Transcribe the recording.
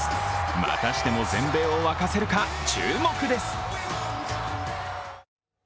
またしても全米を沸かせるか、注目です。